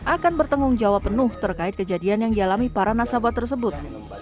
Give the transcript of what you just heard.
akan bertanggung jawab penuh terkait kejadian yang dialami para nasabah tersebut